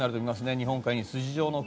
日本海に筋状の雲。